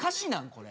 これ。